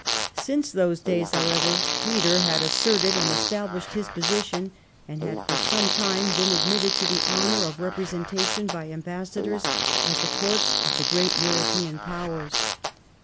Since those days, however, Peter had asserted and established his position, and had for some time been admitted to the honour of representation by ambassadors at the Courts of the great European Powers.